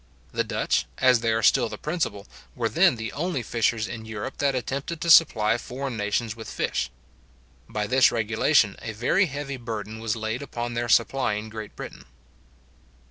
The Dutch, as they are still the principal, were then the only fishers in Europe that attempted to supply foreign nations with fish. By this regulation, a very heavy burden was laid upon their supplying Great Britain.